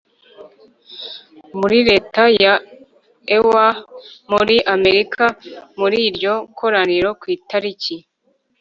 Muri leta ya iowa muri amerika muri iryo koraniro ku itariki